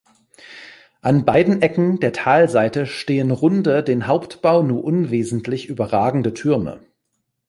An beiden Ecken der Talseite stehen runde, den Hauptbau nur unwesentlich überragende Türme.